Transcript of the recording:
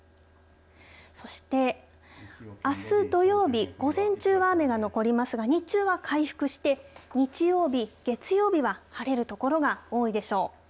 そしてあす土曜日午前中は雨が残りますが日中は回復して日曜日月曜日は晴れる所が多いでしょう。